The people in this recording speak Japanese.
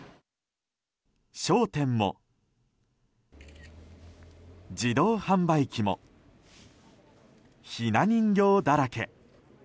商店も、自動販売機もひな人形だらけ。